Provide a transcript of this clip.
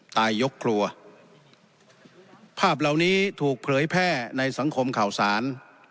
ตายยกครัวภาพเหล่านี้ถูกเผยแพร่ในสังคมข่าวสาร